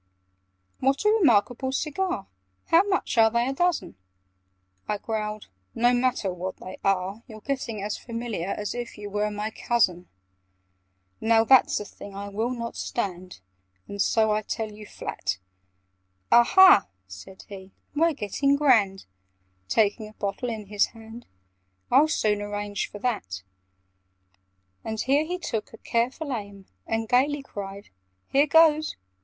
"What a re markable cigar! How much are they a dozen?" I growled "No matter what they are! You're getting as familiar As if you were my cousin! "Now that's a thing I will not stand, And so I tell you flat." "Aha," said he, "we're getting grand!" (Taking a bottle in his hand) "I'll soon arrange for that!" And here he took a careful aim, And gaily cried "Here goes!"